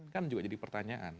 kan juga jadi pertanyaan